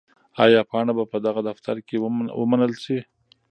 آیا پاڼه به په دغه دفتر کې ومنل شي؟